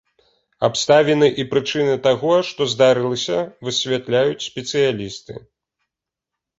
Абставіны і прычыны таго, што здарылася высвятляюць спецыялісты.